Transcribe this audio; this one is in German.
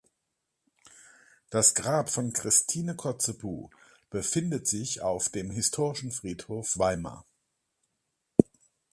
Das Grab von Christine Kotzebue befindet sich auf dem Historischen Friedhof Weimar.